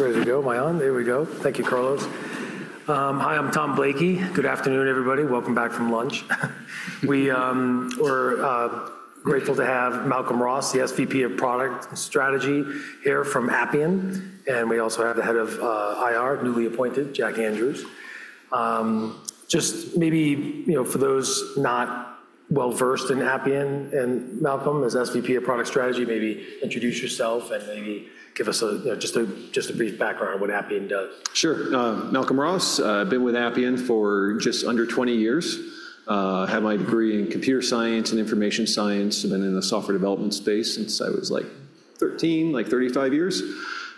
Ready to go? Am I on? There we go. Thank you, Carlos. Hi, I'm Tom Blakey. Good afternoon, everybody. Welcome back from lunch. We're grateful to have Malcolm Ross, the SVP of Product Strategy here from Appian, and we also have the head of IR, newly appointed, Jack Andrews. Just maybe, you know, for those not well-versed in Appian, and Malcolm, as SVP of Product Strategy, maybe introduce yourself and maybe give us just a brief background on what Appian does. Sure. Malcolm Ross, I've been with Appian for just under 20 years. I have my degree in Computer Science and Information Science, and been in the software development space since I was, like, 13, like 35 years.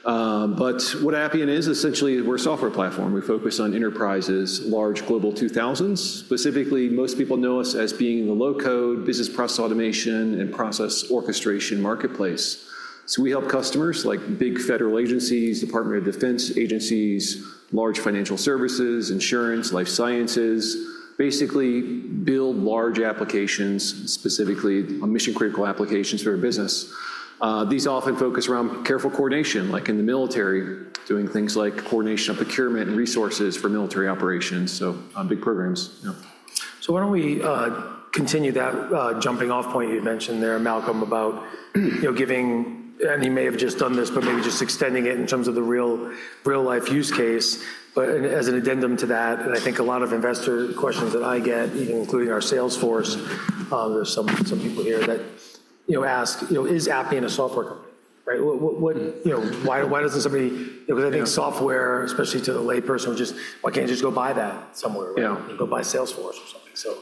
But what Appian is, essentially, we're a software platform. We focus on enterprises, large Global 2000s. Specifically, most people know us as being in the low-code, business process automation, and process orchestration marketplace. So we help customers, like big federal agencies, Department of Defense agencies, large financial services, insurance, life sciences, basically build large applications, specifically on mission-critical applications for their business. These often focus around careful coordination, like in the military, doing things like coordination of procurement and resources for military operations, so on big programs, you know. So why don't we continue that jumping-off point you had mentioned there, Malcolm, about, you know, giving... And you may have just done this, but maybe just extending it in terms of the real, real-life use case. But as an addendum to that, and I think a lot of investor questions that I get, even including our sales force, there's some people here that, you know, ask, "You know, is Appian a software company?" Right? What, what, you know, why, why doesn't somebody- Yeah. because I think software, especially to the layperson, just, "Why can't I just go buy that somewhere? Yeah. Go buy Salesforce or something. So,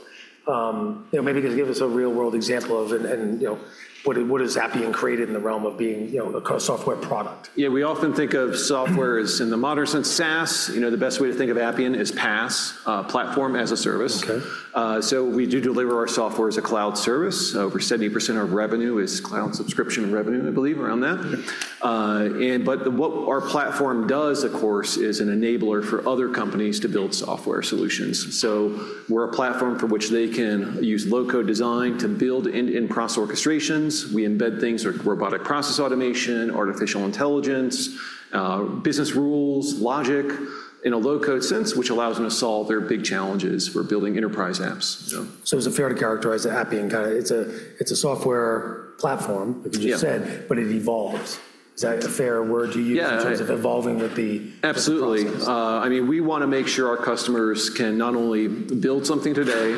you know, maybe just give us a real-world example of, and you know, what has Appian created in the realm of being, you know, a copilot software product? Yeah, we often think of software as in the modern sense, SaaS. You know, the best way to think of Appian is PaaS, platform as a service. Okay. We do deliver our software as a cloud service. Over 70% of our revenue is cloud subscription revenue, I believe, around that. Yeah. But what our platform does, of course, is an enabler for other companies to build software solutions. So we're a platform from which they can use low-code design to build end-to-end cross orchestrations. We embed things like robotic process automation, artificial intelligence, business rules, logic, in a low-code sense, which allows them to solve their big challenges. We're building enterprise apps, so. So is it fair to characterize Appian, kinda, it's a, it's a software platform- Yeah —like you just said, but it evolves. Yeah. Is that a fair word to use? Yeah in terms of evolving with the process? Absolutely. I mean, we wanna make sure our customers can not only build something today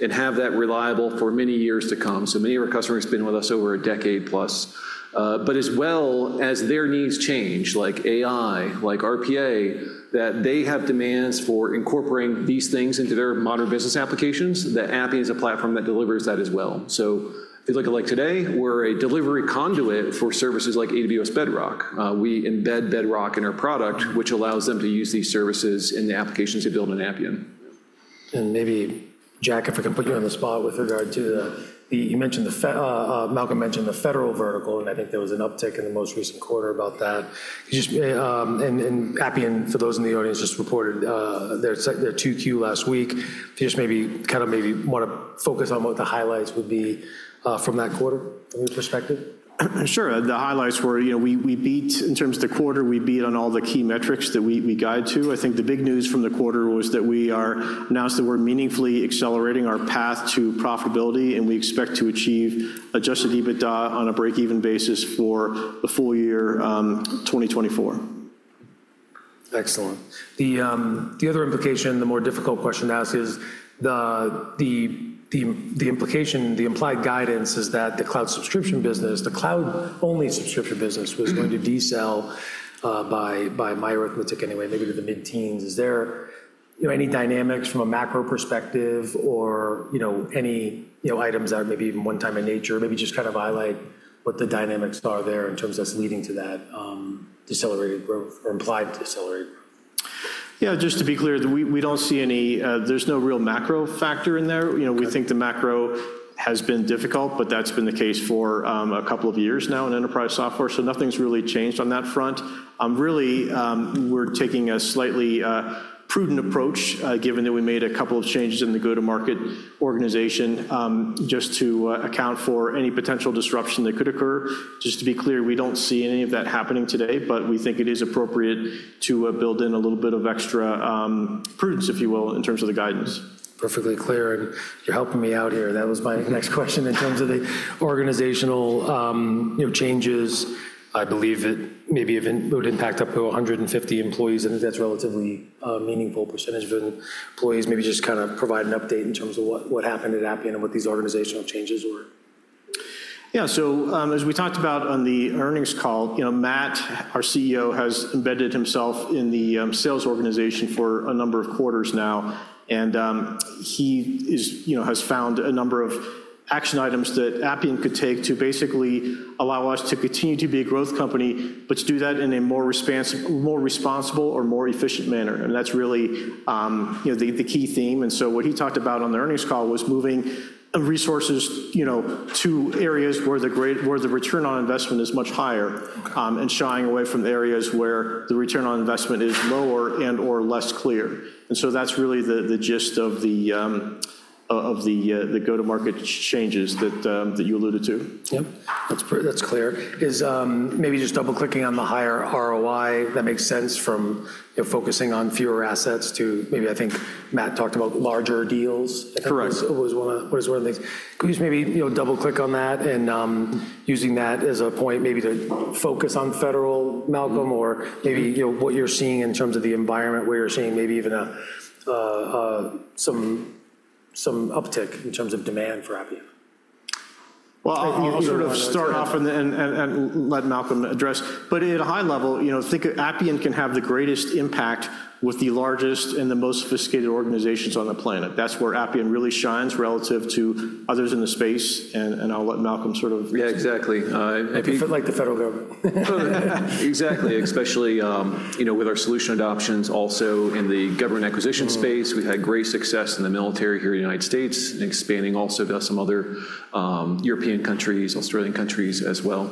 and have that reliable for many years to come, so many of our customers been with us over a decade plus, but as well as their needs change, like AI, like RPA, that they have demands for incorporating these things into their modern business applications, that Appian is a platform that delivers that as well. So if you look at, like, today, we're a delivery conduit for services like AWS Bedrock. We embed Bedrock in our product, which allows them to use these services in the applications they build in Appian. And maybe, Jack, if I can put you on the spot with regard to the federal vertical. Malcolm mentioned the federal vertical, and I think there was an uptick in the most recent quarter about that. Just, and Appian, for those in the audience, just reported their Q2 last week. Just maybe, kinda maybe wanna focus on what the highlights would be from that quarter from your perspective. Sure. The highlights were, you know, we beat. In terms of the quarter, we beat on all the key metrics that we guide to. I think the big news from the quarter was that we announced that we're meaningfully accelerating our path to profitability, and we expect to achieve Adjusted EBITDA on a break-even basis for the full year 2024. Excellent. The other implication, the more difficult question to ask is the implication, the implied guidance is that the cloud subscription business, the cloud-only subscription business was going to decel by my arithmetic anyway, maybe to the mid-teens. Is there, you know, any dynamics from a macro perspective or, you know, any, you know, items that are maybe even one-time in nature? Maybe just kind of highlight what the dynamics are there in terms of what's leading to that decelerated growth or implied decelerate growth. Yeah, just to be clear that we don't see any. There's no real macro factor in there. Okay. You know, we think the macro has been difficult, but that's been the case for a couple of years now in enterprise software, so nothing's really changed on that front. Really, we're taking a slightly prudent approach, given that we made a couple of changes in the go-to-market organization, just to account for any potential disruption that could occur. Just to be clear, we don't see any of that happening today, but we think it is appropriate to build in a little bit of extra prudence, if you will, in terms of the guidance. Perfectly clear, and you're helping me out here. That was my next question in terms of the organizational, you know, changes. I believe it maybe even would impact up to 150 employees, and that's a relatively meaningful percentage of the employees. Maybe just kind of provide an update in terms of what happened at Appian and what these organizational changes were. Yeah, so as we talked about on the earnings call, you know, Matt, our CEO, has embedded himself in the sales organization for a number of quarters now, and he—you know, has found a number of action items that Appian could take to basically allow us to continue to be a growth company, but to do that in a more responsible or more efficient manner. And that's really, you know, the key theme. And so what he talked about on the earnings call was moving resources, you know, to areas where the return on investment is much higher- Okay... and shying away from the areas where the return on investment is lower and/or less clear. And so that's really the gist of the... ... of the go-to-market changes that you alluded to? Yeah, that's clear. 'Cause, maybe just double-clicking on the higher ROI, that makes sense from, you know, focusing on fewer assets to maybe, I think, Matt talked about larger deals- Correct. It was one of the things. Could you just maybe, you know, double-click on that, and using that as a point maybe to focus on federal, Malcolm, or maybe, you know, what you're seeing in terms of the environment, where you're seeing maybe even a some uptick in terms of demand for Appian? Well, I'll sort of start off and then let Malcolm address. But at a high level, you know, think Appian can have the greatest impact with the largest and the most sophisticated organizations on the planet. That's where Appian really shines relative to others in the space, and I'll let Malcolm sort of- Yeah, exactly. If you- Like the federal government. Exactly. Especially, you know, with our solution adoptions also in the government acquisition space. Mm. We've had great success in the military here in the United States, and expanding also to some other, European countries, Australian countries as well.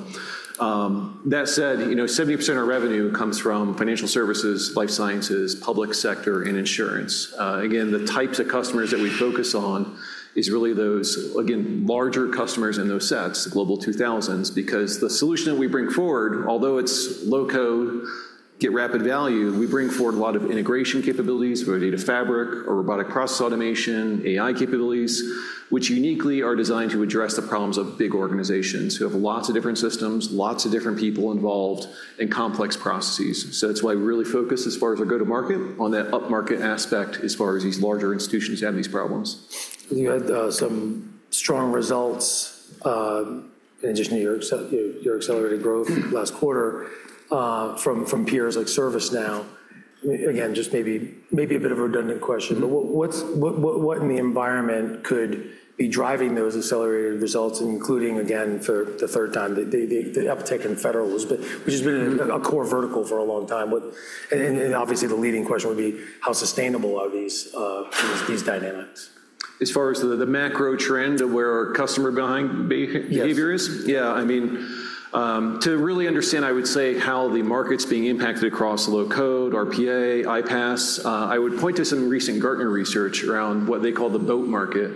That said, you know, 70% of our revenue comes from financial services, life sciences, public sector, and insurance. Again, the types of customers that we focus on is really those, again, larger customers in those sets, the Global 2000. Because the solution that we bring forward, although it's low-code, get rapid value, we bring forward a lot of integration capabilities for data fabric or robotic process automation, AI capabilities, which uniquely are designed to address the problems of big organizations who have lots of different systems, lots of different people involved, and complex processes. So that's why we really focus, as far as our go-to-market, on that upmarket aspect as far as these larger institutions having these problems. You had some strong results, in addition to your accelerated growth last quarter, from peers like ServiceNow. Again, just maybe a bit of a redundant question, but what in the environment could be driving those accelerated results, including, again, for the third time, the uptick in federal was, but which has been a core vertical for a long time? And obviously, the leading question would be: How sustainable are these dynamics? As far as the macro trend of where our customer buying behavior is? Yes. Yeah, I mean, to really understand, I would say, how the market's being impacted across low-code, RPA, iPaaS, I would point to some recent Gartner research around what they call the BOAT market.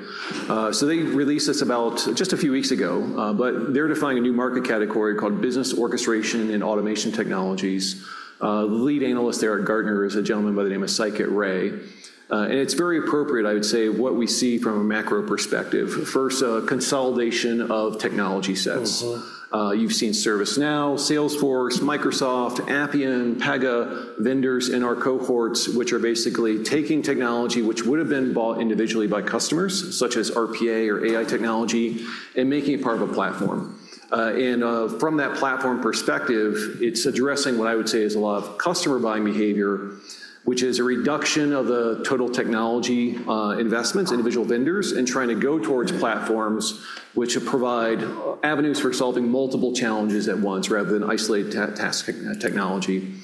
So they released this about just a few weeks ago, but they're defining a new market category called Business Orchestration and Automation Technologies. The lead analyst there at Gartner is a gentleman by the name of Saikat Ray. And it's very appropriate, I would say, what we see from a macro perspective. First, a consolidation of technology sets. Mm-hmm. You've seen ServiceNow, Salesforce, Microsoft, Appian, Pega, vendors in our cohorts, which are basically taking technology which would have been bought individually by customers, such as RPA or AI technology, and making it part of a platform. And from that platform perspective, it's addressing what I would say is a lot of customer buying behavior, which is a reduction of the total technology investments, individual vendors, and trying to go towards platforms which provide avenues for solving multiple challenges at once, rather than isolated task technology.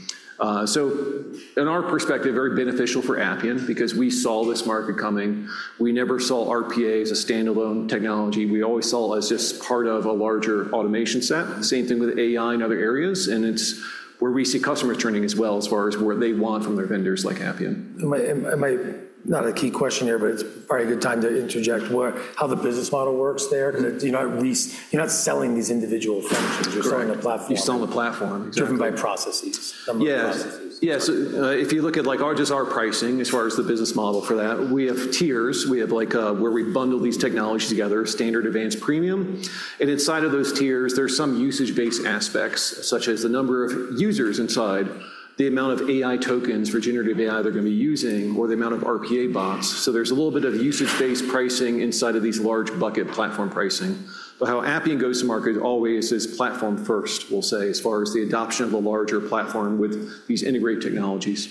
So in our perspective, very beneficial for Appian because we saw this market coming. We never saw RPA as a standalone technology. We always saw it as just part of a larger automation set. Same thing with AI and other areas, and it's where we see customers turning as well as far as what they want from their vendors, like Appian. Am I... Not a key question here, but it's probably a good time to interject, where, how the business model works there? Mm. 'Cause you're not selling these individual functions- Correct... you're selling a platform. You're selling the platform. Exactly. Driven by processes. Yes. Some of the processes. Yes. If you look at, like, our, just our pricing as far as the business model for that, we have tiers. We have, like, where we bundle these technologies together: Standard, Advanced, premium. And inside of those tiers, there are some usage-based aspects, such as the number of users inside, the amount of AI tokens for generative AI they're gonna be using, or the amount of RPA bots. So there's a little bit of usage-based pricing inside of these large bucket platform pricing. But how Appian goes to market always is platform first, we'll say, as far as the adoption of a larger platform with these integrated technologies.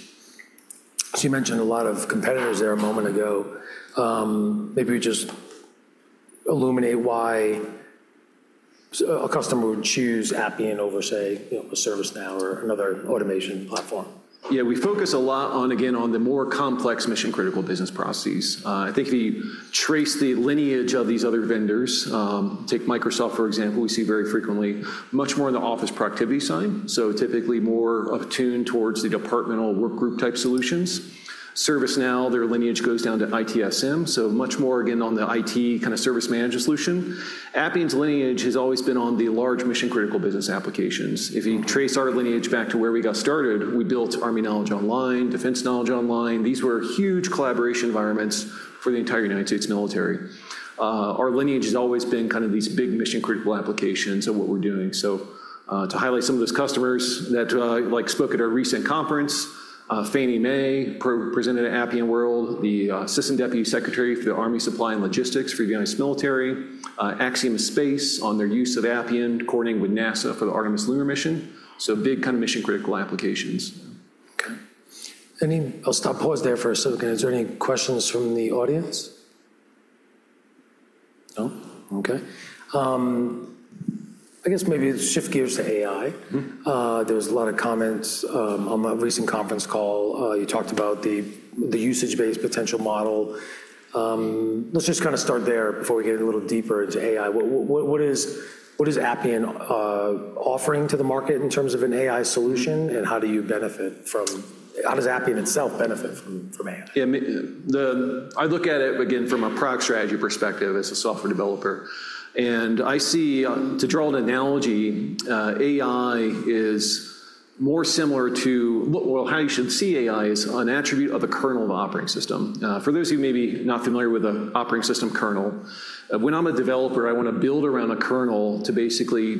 So you mentioned a lot of competitors there a moment ago. Maybe just illuminate why a customer would choose Appian over, say, you know, a ServiceNow or another automation platform. Yeah, we focus a lot on, again, on the more complex mission-critical business processes. I think if you trace the lineage of these other vendors, take Microsoft, for example, we see very frequently much more in the office productivity side. So typically more attuned towards the departmental work group type solutions. ServiceNow, their lineage goes down to ITSM, so much more again on the IT kind of service management solution. Appian's lineage has always been on the large mission-critical business applications. Mm. If you trace our lineage back to where we got started, we built Army Knowledge Online, Defense Knowledge Online. These were huge collaboration environments for the entire United States military. Our lineage has always been kind of these big mission-critical applications and what we're doing. So, to highlight some of those customers that, like, spoke at our recent conference, Fannie Mae presented at Appian World, the Assistant Deputy Secretary for the Army Supply and Logistics for the United States Military, Axiom Space on their use of Appian, coordinating with NASA for the Artemis lunar mission. So big kind of mission-critical applications. Okay. I'll stop, pause there for a second. Is there any questions from the audience? No? Okay. I guess maybe let's shift gears to AI. Mm-hmm. There was a lot of comments on a recent conference call. You talked about the usage-based potential model. Let's just kinda start there before we get a little deeper into AI. What is Appian offering to the market in terms of an AI solution, and how do you benefit from - how does Appian itself benefit from AI? Yeah, I look at it, again, from a product strategy perspective as a software developer, and I see, to draw an analogy, AI is more similar to, well, how you should see AI is an attribute of the kernel of the operating system. For those who may be not familiar with the operating system kernel, when I'm a developer, I want to build around a kernel to basically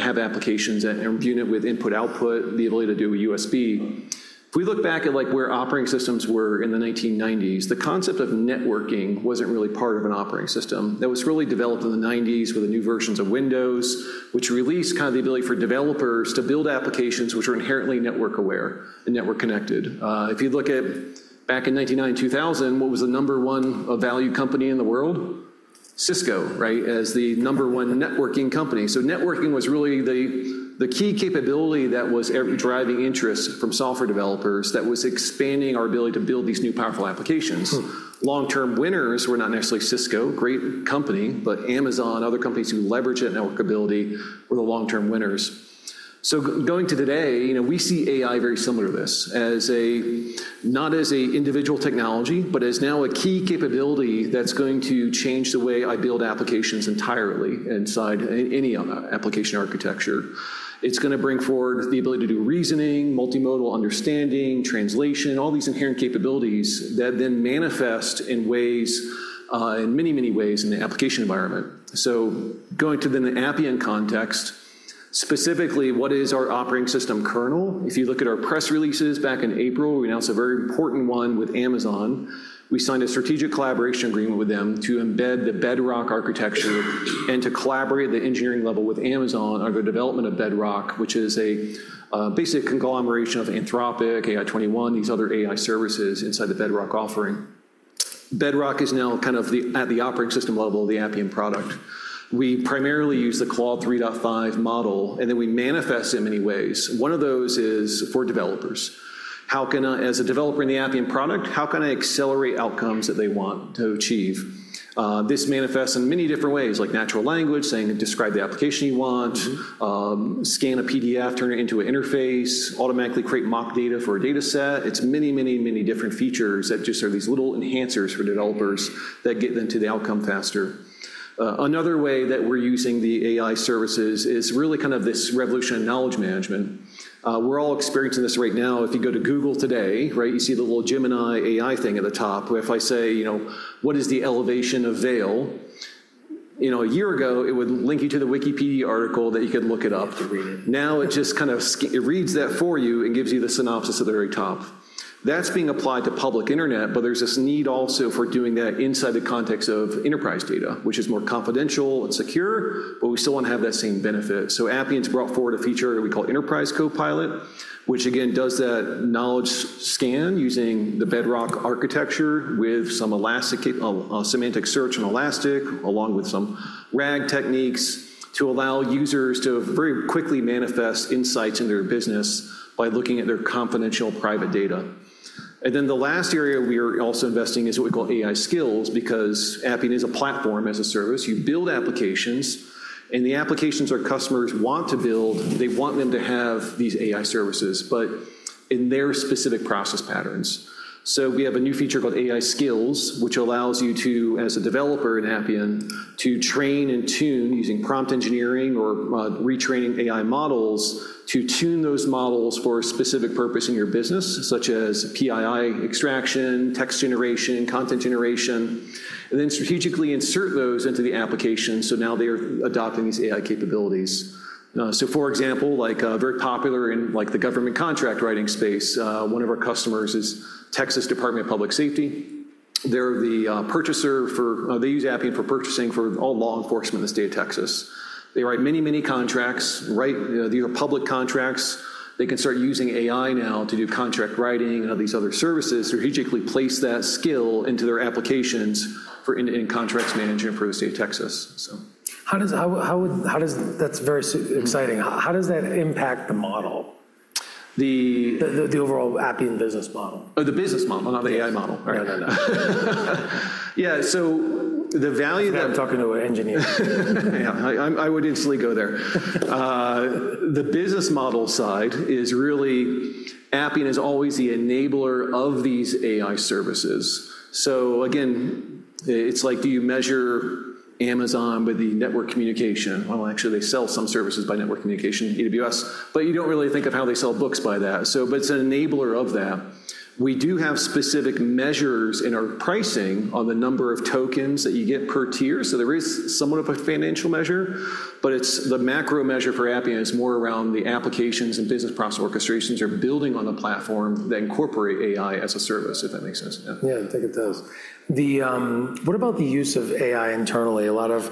have applications and view it with input, output, the ability to do USB. If we look back at, like, where operating systems were in the 1990s, the concept of networking wasn't really part of an operating system. That was really developed in the 1990s with the new versions of Windows, which released kind of the ability for developers to build applications which are inherently network-aware and network-connected. If you look at back in 1999, 2000, what was the number one valued company in the world? Cisco, right, as the number one networking company. So networking was really the key capability that was driving interest from software developers that was expanding our ability to build these new, powerful applications. Hmm. Long-term winners were not necessarily Cisco, great company, but Amazon, other companies who leverage that network ability were the long-term winners. So going to today, you know, we see AI very similar to this, as, not as an individual technology, but as now a key capability that's going to change the way I build applications entirely inside any application architecture. It's gonna bring forward the ability to do reasoning, multimodal understanding, translation, all these inherent capabilities that then manifest in ways in many, many ways in the application environment. So going to then the Appian context, specifically, what is our operating system kernel? If you look at our press releases back in April, we announced a very important one with Amazon. We signed a strategic collaboration agreement with them to embed the Bedrock architecture and to collaborate at the engineering level with Amazon on the development of Bedrock, which is a basic conglomeration of Anthropic, AI21, these other AI services inside the Bedrock offering. Bedrock is now kind of the, at the operating system level, the Appian product. We primarily use the Claude 3.5 model, and then we manifest it in many ways. One of those is for developers. How can I, as a developer in the Appian product, how can I accelerate outcomes that they want to achieve? This manifests in many different ways, like natural language, saying, "Describe the application you want. Mm-hmm. Scan a PDF, turn it into an interface, automatically create mock data for a data set. It's many, many, many different features that just are these little enhancers for developers- Yeah... that get them to the outcome faster. Another way that we're using the AI services is really kind of this revolution in knowledge management. We're all experiencing this right now. If you go to Google today, right, you see the little Gemini AI thing at the top, where if I say, you know, "What is the elevation of Vail?" You know, a year ago, it would link you to the Wikipedia article that you could look it up. Read it. Now, it just kind of it reads that for you and gives you the synopsis at the very top. That's being applied to public internet, but there's this need also for doing that inside the context of enterprise data, which is more confidential and secure, but we still want to have that same benefit. So Appian's brought forward a feature we call Enterprise Copilot, which again, does that knowledge scan using the Bedrock architecture with some Elastic semantic search and Elastic, along with some RAG techniques, to allow users to very quickly manifest insights into their business by looking at their confidential, private data. And then the last area we are also investing is what we call AI Skills, because Appian is a platform as a service. You build applications, and the applications our customers want to build, they want them to have these AI services but in their specific process patterns. So we have a new feature called AI Skills, which allows you to, as a developer in Appian, to train and tune using prompt engineering or retraining AI models, to tune those models for a specific purpose in your business, such as PII extraction, text generation, content generation, and then strategically insert those into the application, so now they're adopting these AI capabilities. So for example, like, very popular in, like, the government contract writing space, one of our customers is Texas Department of Public Safety. They're the purchaser for. They use Appian for purchasing for all law enforcement in the state of Texas. They write many, many contracts, right? These are public contracts. They can start using AI now to do contract writing and all these other services, strategically place that skill into their applications for in contracts management for the state of Texas, so. How does... That's very exciting. Mm-hmm. How does that impact the model? The- The overall Appian business model. Oh, the business model, not the AI model. Yeah. All right. Yeah, so the value that- I'm talking to an engineer. Yeah, I would instantly go there. The business model side is really, Appian is always the enabler of these AI services. So again, it's like, do you measure Amazon by the network communication? Well, actually, they sell some services by network communication, AWS, but you don't really think of how they sell books by that. So but it's an enabler of that. We do have specific measures in our pricing on the number of tokens that you get per tier, so there is somewhat of a financial measure. But it's the macro measure for Appian is more around the applications and business process orchestrations you're building on the platform that incorporate AI as a service, if that makes sense. Yeah, I think it does. The... What about the use of AI internally? A lot of,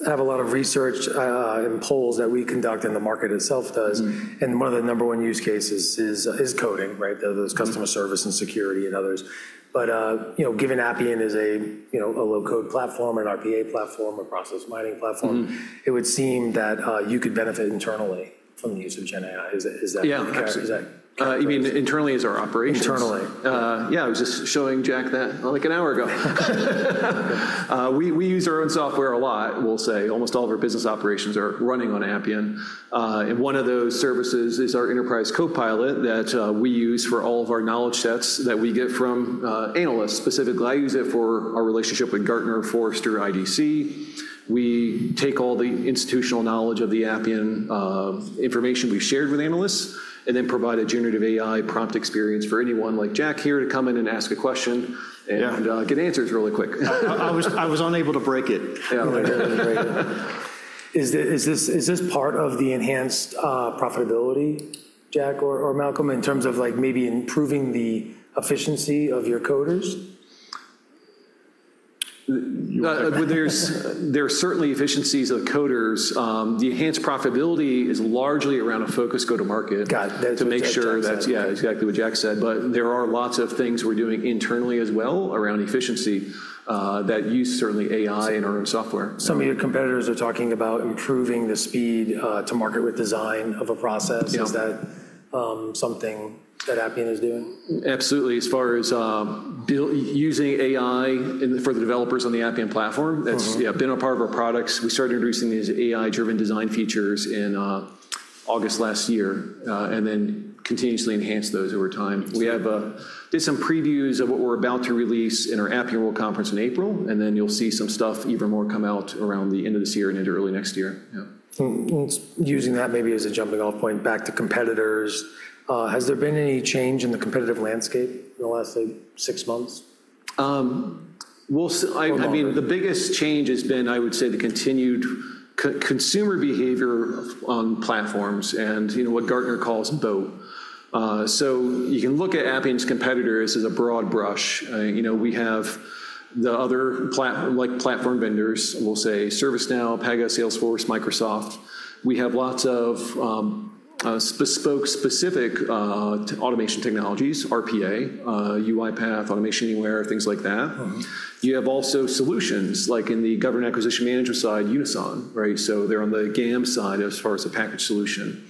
we have a lot of research, and polls that we conduct, and the market itself does. Mm-hmm. One of the number one use cases is coding, right? Mm-hmm. There's customer service and security and others. But, you know, given Appian is a, you know, a low-code platform, an RPA platform, a process mining platform- Mm-hmm... it would seem that, you could benefit internally from the use of gen AI. Is that, is that- Yeah, absolutely... Is that, correct? You mean internally as our operations? Internally. Yeah, I was just showing Jack that, like, an hour ago. We use our own software a lot, we'll say. Almost all of our business operations are running on Appian. And one of those services is our Enterprise Copilot that we use for all of our knowledge sets that we get from analysts. Specifically, I use it for our relationship with Gartner, Forrester, IDC. We take all the institutional knowledge of the Appian information we've shared with analysts and then provide a Generative AI prompt experience for anyone, like Jack here, to come in and ask a question- Yeah... and, get answers really quick. I was unable to break it. Yeah. Unable to break it. Is this part of the enhanced profitability, Jack or Malcolm, in terms of, like, maybe improving the efficiency of your coders? Well, there are certainly efficiencies of coders. The enhanced profitability is largely around a focus go-to-market- Got it. - to make sure that... Yeah, exactly what Jack said. But there are lots of things we're doing internally as well around efficiency, that use certainly AI in our own software. Some of your competitors are talking about improving the speed to market with design of a process. Yeah. Is that something that Appian is doing? Absolutely. As far as using AI in the for the developers on the Appian platform. Mm-hmm. That's, yeah, been a part of our products. We started introducing these AI-driven design features in August last year, and then continuously enhanced those over time. We have did some previews of what we're about to release in our Appian World Conference in April, and then you'll see some stuff even more come out around the end of this year and into early next year. Yeah. So, and using that maybe as a jumping-off point back to competitors, has there been any change in the competitive landscape in the last, say, six months? We'll s- Or more? I mean, the biggest change has been, I would say, the continued consumer behavior on platforms and, you know, what Gartner calls BOAT. So you can look at Appian's competitors as a broad brush. You know, we have the other platform vendors, like, we'll say ServiceNow, Pega, Salesforce, Microsoft. We have lots of bespoke, specific automation technologies, RPA, UiPath, Automation Anywhere, things like that. Mm-hmm. You have also solutions, like in the government acquisition manager side, Unison, right? So they're on the GAM side as far as the package solution.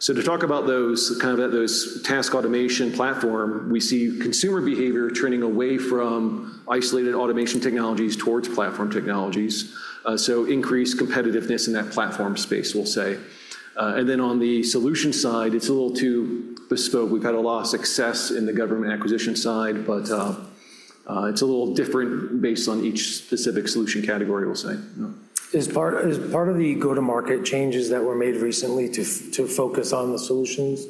So to talk about those, kind of at those task automation platform, we see consumer behavior trending away from isolated automation technologies towards platform technologies. So increased competitiveness in that platform space, we'll say. And then on the solution side, it's a little too bespoke. We've had a lot of success in the government acquisition side, but, it's a little different based on each specific solution category, we'll say. Yeah. Is part of the go-to-market changes that were made recently to focus on the solutions?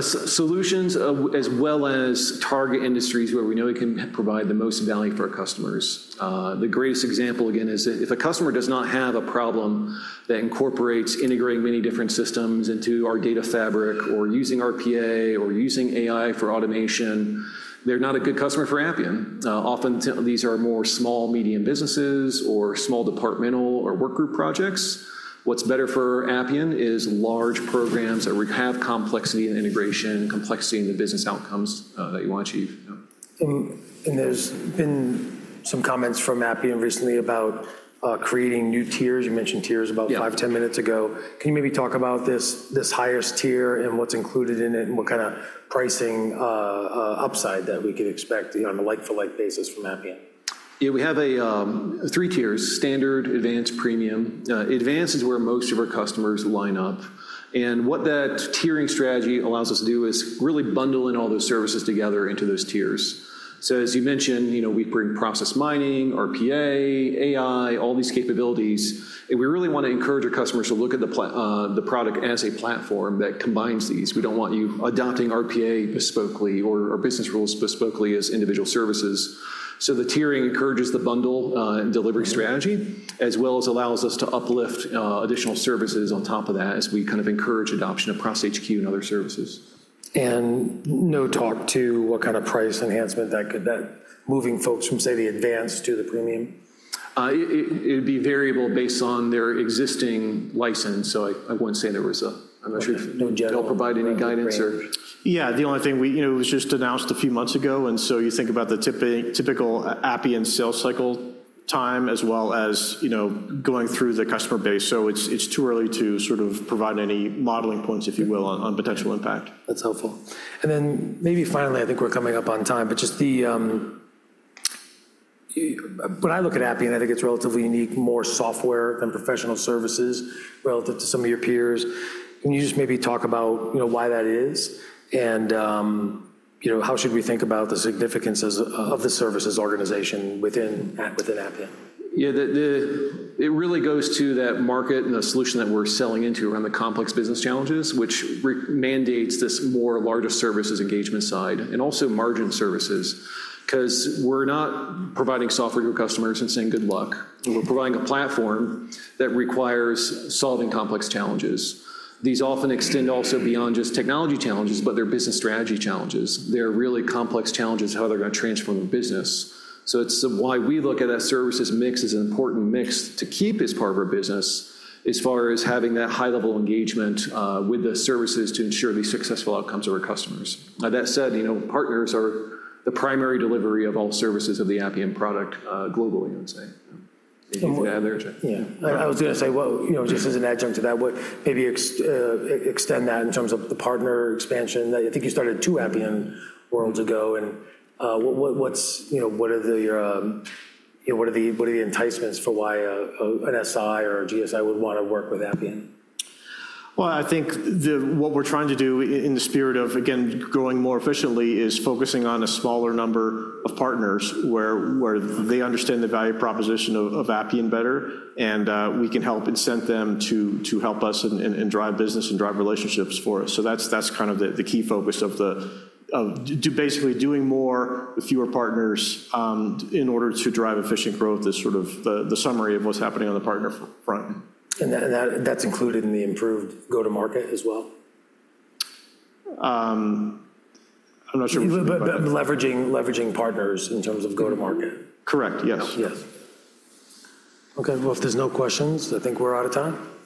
Solutions, as well as target industries where we know we can provide the most value for our customers. The greatest example, again, is if a customer does not have a problem that incorporates integrating many different systems into our Data Fabric or using RPA or using AI for automation, they're not a good customer for Appian. Often these are more small, medium businesses or small departmental or work group projects. What's better for Appian is large programs that have complexity and integration, complexity in the business outcomes, that you want to achieve. Yeah. There's been some comments from Appian recently about creating new tiers. You mentioned tiers about- Yeah - 5, 10 minutes ago. Can you maybe talk about this, this highest tier, and what's included in it, and what kind of pricing upside that we can expect, you know, on a like-for-like basis from Appian? Yeah, we have a three tiers: standard, advanced, premium. Advanced is where most of our customers line up, and what that tiering strategy allows us to do is really bundle in all those services together into those tiers. So as you mentioned, you know, we bring process mining, RPA, AI, all these capabilities, and we really want to encourage our customers to look at the plat- the product as a platform that combines these. We don't want you adopting RPA bespokely or business rules bespokely as individual services. So the tiering encourages the bundle, and delivery strategy, as well as allows us to uplift additional services on top of that as we kind of encourage adoption across HQ and other services. Now talk to what kind of price enhancement that could... That moving folks from, say, the advanced to the premium? It would be variable based on their existing license, so I wouldn't say there was a-. I'm not sure if- No general I'll provide any guidance or- Yeah, the only thing we, you know, it was just announced a few months ago, and so you think about the typical Appian sales cycle time, as well as, you know, going through the customer base. So it's too early to sort of provide any modeling points, if you will, on potential impact. That's helpful. And then maybe finally, I think we're coming up on time, but just when I look at Appian, I think it's relatively unique, more software than professional services relative to some of your peers. Can you just maybe talk about, you know, why that is? And, you know, how should we think about the significance of the services organization within Appian? Yeah, it really goes to that market and the solution that we're selling into around the complex business challenges, which demands this more larger services engagement side, and also managed services. 'Cause we're not providing software to customers and saying, "Good luck. Mm-hmm. We're providing a platform that requires solving complex challenges. These often extend also beyond just technology challenges, but they're business strategy challenges. They're really complex challenges, how they're gonna transform the business. So it's why we look at that services mix as an important mix to keep as part of our business as far as having that high-level engagement with the services to ensure the successful outcomes of our customers. Now, that said, you know, partners are the primary delivery of all services of the Appian product globally, I would say. Anything to add there, Jack? Yeah. I was gonna say, well, you know, just as an adjunct to that, maybe extend that in terms of the partner expansion. I think you started two Appian Worlds ago, and what's, you know, what are the enticements for why an SI or a GSI would wanna work with Appian? Well, I think the, what we're trying to do in the spirit of, again, growing more efficiently, is focusing on a smaller number of partners where they understand the value proposition of Appian better, and we can help incent them to help us and drive business and drive relationships for us. So that's kind of the key focus of basically doing more with fewer partners in order to drive efficient growth is sort of the summary of what's happening on the partner front. And that's included in the improved go-to-market as well? I'm not sure what you mean by that. Leveraging partners in terms of go-to-market. Correct, yes. Yes. Okay, well, if there's no questions, I think we're out of time?